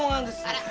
あら！